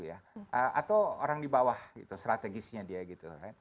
atau orang di bawah strategisnya dia gitu